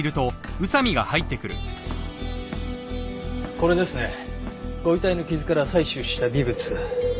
これですねご遺体の傷から採取した微物。